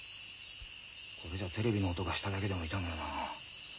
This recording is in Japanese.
これじゃテレビの音がしただけでも痛むよな。